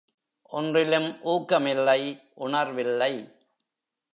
ஒன்றிலும் ஊக்கமில்லை உணர்வில்லை.